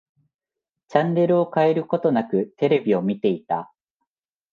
チャンネルを変えることなく、テレビを見ていた。